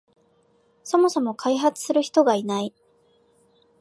そもそも開発する人がいない